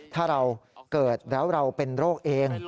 ถ้าเราเกิดแล้วเราเป็นโรคเอง